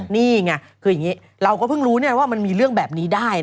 นี่ไงคืออย่างนี้เราก็เพิ่งรู้ว่ามันมีเรื่องแบบนี้ได้